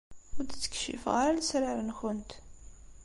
Ur d-ttkeccifeɣ ara lesrar-nkent.